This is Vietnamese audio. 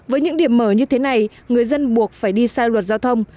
với những điểm mở như thế này người dân buộc phải đi sai luật giao thông